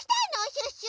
シュッシュ。